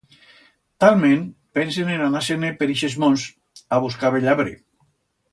Talment pensen en anar-se-ne per ixes monts a buscar bell abre.